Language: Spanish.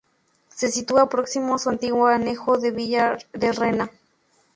Se sitúa próximo a su antiguo anejo de Villar de Rena.